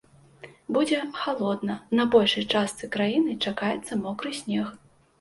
Будзе халодна, на большай частцы краіны чакаецца мокры снег.